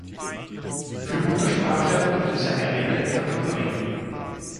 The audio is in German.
Für Muttersprachler gibt es eine eigene Kategorie.